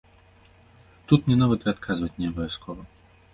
Тут мне нават і адказваць не абавязкова.